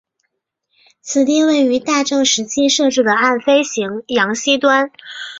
此地位于大正时期设置的岸飞行场西端。